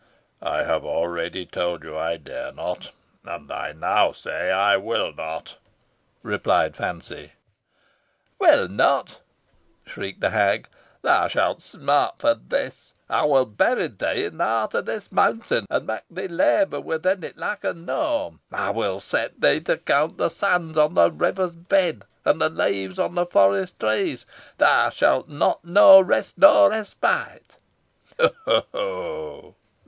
"I have already told you I dare not, and I now say I will not," replied Fancy. "Will not!" shrieked the hag. "Thou shalt smart for this. I will bury thee in the heart of this mountain, and make thee labour within it like a gnome. I will set thee to count the sands on the river's bed, and the leaves on the forest trees. Thou shalt know neither rest nor respite." "Ho! ho! ho!"